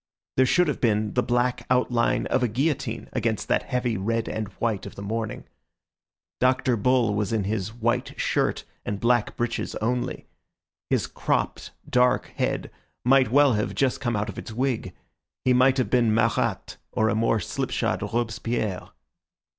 There should have been the black outline of a guillotine against that heavy red and white of the morning. Dr. Bull was in his white shirt and black breeches only; his cropped, dark head might well have just come out of its wig; he might have been Marat or a more slipshod Robespierre.